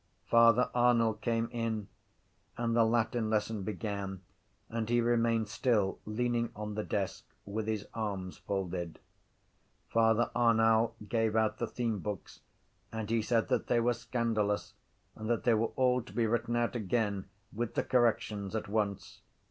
Father Arnall came in and the Latin lesson began and he remained still leaning on the desk with his arms folded. Father Arnall gave out the themebooks and he said that they were scandalous and that they were all to be written out again with the corrections at once.